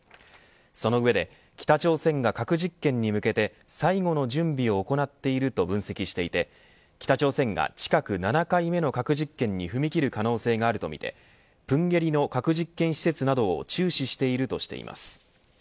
その上で北朝鮮が核実験に向けて最後の準備を行っていると分析していて北朝鮮が近く７回目の核実験に踏み切る可能性があるとみて豊渓里の核実験施設などを注視しているとしています。